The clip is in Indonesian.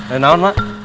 eh nawan mak